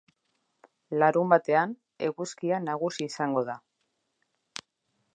Larunbatean, eguzkia nagusi izango da.